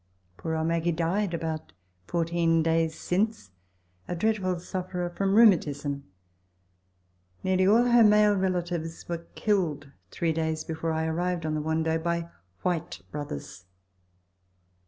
Poor old Maggie died about fourteen days since a dreadful sufferer from rheumatism ; nearly all her male relatives were killed three days before I arrived on the Wando by Whyte Brothers.